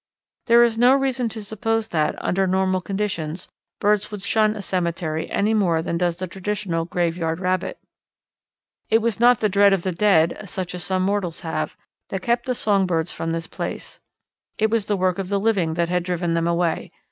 There is no reason to suppose that, under normal conditions, birds would shun a cemetery any more than does the traditional graveyard rabbit. It was not dread of the dead, such as some mortals have, that kept the song birds from this place; it was the work of the living that had driven them away.